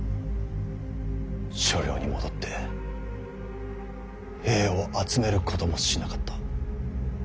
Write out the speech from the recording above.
所領に戻って兵を集めることもしなかった。